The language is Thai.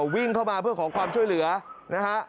วิ่งเข้ามาเพื่อขอความช่วยเหลือนะฮะ